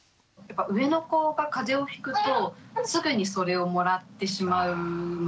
上の子が風邪をひくとすぐにそれをもらってしまうので。